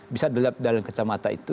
bisa dalam kecamatan